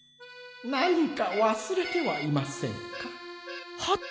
「なにかわすれてはいませんか？」。